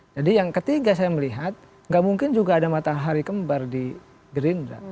jadi yang ketiga saya melihat gak mungkin juga ada matahari kembar di gerindra